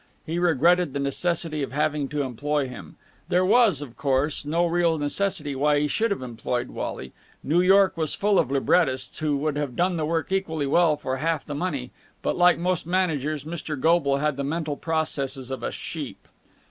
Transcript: He regretted the necessity of having to employ him. There was, of course, no real necessity why he should have employed Wally. New York was full of librettists who would have done the work equally well for half the money, but, like most managers, Mr. Goble had the mental processes of a sheep.